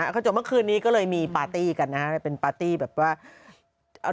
เขาจบเมื่อคืนนี้ก็เลยมีปาร์ตี้กันนะฮะเป็นปาร์ตี้แบบว่า